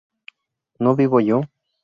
¿no vivo yo?